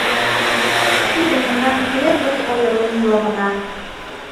— Тиде мемнан первый ойырлен илымына.